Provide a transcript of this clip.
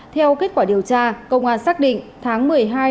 theo kết quả điều tra công an xác định tháng một mươi hai hai nghìn hai mươi một